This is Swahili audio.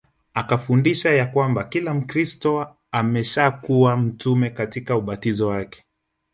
Akafundisha ya kwamba kila Mkristo ameshakuwa mtume katika ubatizo wake